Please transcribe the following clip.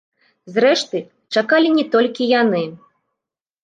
Зрэшты, чакалі не толькі яны.